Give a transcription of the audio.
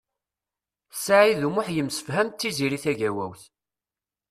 Saɛid U Muḥ yemsefham d Tiziri Tagawawt.